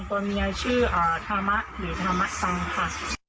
ตัวเมียชื่อธรรมะหรือธรรมะสังค่ะ